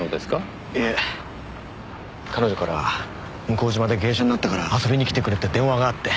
いえ彼女から向島で芸者になったから遊びに来てくれって電話があって。